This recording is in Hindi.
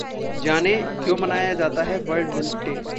जानें- क्यों मनाया जाता है वर्ल्ड मिल्क डे